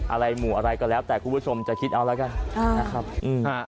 อะไรหมู่อะไรก็แล้วแต่คุณผู้ชมจะคิดเอาแล้วกันอ่านะครับอืมฮะ